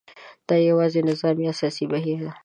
دا یوازې نظامي یا سیاسي بهیر نه دی.